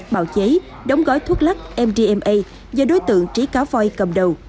bạo cháy đóng gói thuốc lắc mdma do đối tượng trí cá voi cầm đầu